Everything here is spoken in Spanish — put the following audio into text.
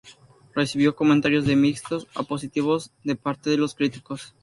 Recibió comentarios de mixtos a positivos de parte de los críticos.